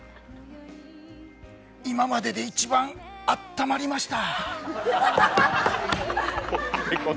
今までで一番あったまりました。